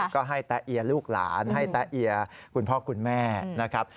ก็ให้แตะเอียลูกหลานให้แตะเอียคุณพ่อคุณแม่นะครับ